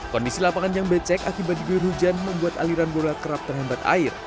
kondisi lapangan yang becek akibat diguyur hujan membuat aliran bola kerap terhambat air